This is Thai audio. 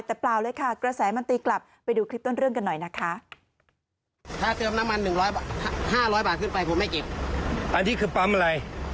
แต่เปล่าเลยค่ะกระแสมันตีกลับไปดูคลิปต้นเรื่องกันหน่อยนะคะ